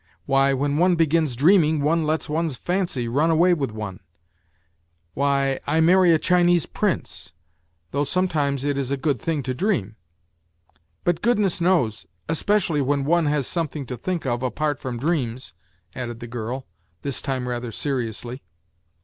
Why, when one begins dreaming one lets one's fancy run away with one why, I marry a Chinese Prince !... Though sometimes it is a good thing to dream ! But, goodness knows ! Especially when one has something to think of apart from dreams," added the girl, this time rather seriously.